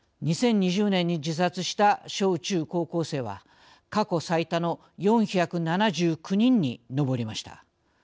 ２０２０年に自殺した小・中・高校生は過去最多の４７９人に上りました。